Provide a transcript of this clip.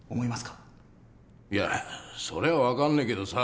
いやそれは分かんねえけどさ